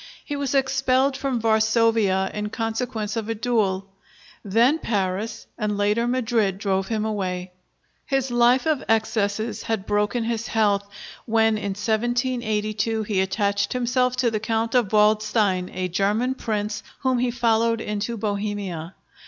He was expelled from Varsovia in consequence of a duel. Then Paris, and later Madrid, drove him away. His life of excesses had broken his health, when in 1782 he attached himself to the Count of Waldstein, a German prince whom he followed into Bohemia.